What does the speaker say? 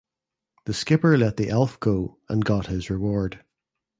The skipper let the elf go and got his reward.